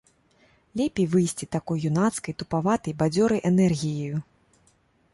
Лепей выйсці такой юнацкай, тупаватай, бадзёрай энергіяю.